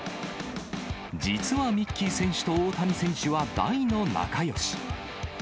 実はミッキー選手と大谷選手は大の仲よし。